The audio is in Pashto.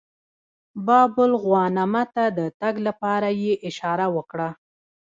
باب الغوانمه ته د تګ لپاره یې اشاره وکړه.